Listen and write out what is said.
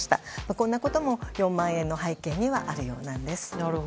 こんなことも４万円の背景にはあるようです。